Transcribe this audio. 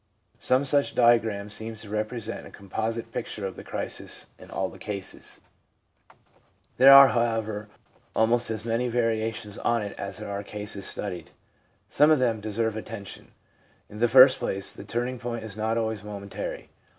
Some such diagram seems to represent a composite picture of the crisis in all the cases. There are, how g 4 THE PSYCHOLOGY OF RELIGION ever, almost as many variations on it as there are cases studied. Some of them deserve attention. In the first place, the turning point is not always momentary.